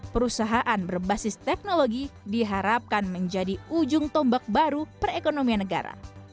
perusahaan berbasis teknologi diharapkan menjadi ujung tombak baru perekonomian negara